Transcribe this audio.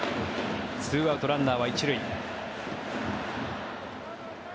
２アウト、ランナーは１塁。